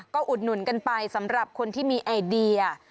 ก็อุดหนุนกันไปสำหรับคนที่มีไอเดีย